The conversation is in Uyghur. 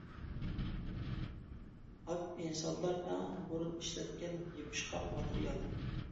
ھاك ئىنسانلار ئەڭ بۇرۇن ئىشلەتكەن يېپىشقاق ماتېرىيال.